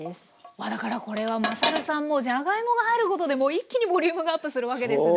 まあだからこれはまさるさんもじゃがいもが入ることでもう一気にボリュームがアップするわけですね。